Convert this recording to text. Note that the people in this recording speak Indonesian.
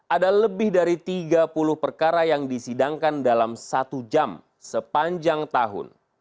ada lebih dari tiga puluh perkara yang disidangkan dalam satu jam sepanjang tahun